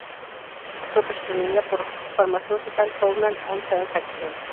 Fue precedida por "Pharmaceutical Journal and Transactions".